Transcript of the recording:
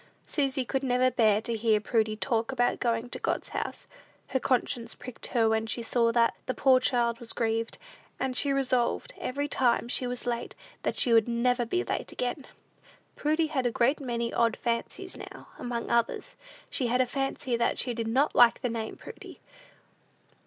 Susy could never bear to hear Prudy talk about going to God's house. Her conscience pricked her when she saw that the poor child was grieved; and she resolved, every time she was late, that she would never be late again. Prudy had a great many odd fancies now: among others, she had a fancy that she did not like the name of Prudy.